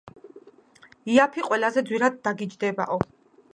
იაფი ყველაზე ძვირად დაგიჯდებაო.